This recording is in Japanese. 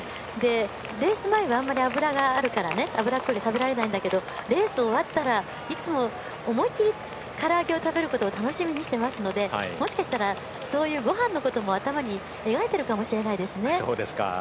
レース前はあんまり脂があるから食べられないんだけどレース終わったらいつも、思い切りから揚げを食べることを楽しみにしていますのでもしかしたら、そういうごはんのことも頭に描いているかもしれないですね。